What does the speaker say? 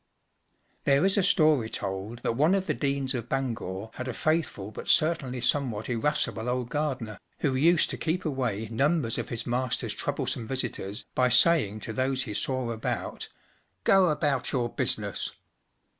There is a story told that one of the Deans of Bangor had a faithful but cer¬ tainly somewhat irascible old gardener, who used to keep away numbers of his master’s troublesome visitors by saying to those he saw about, “ Go about your business."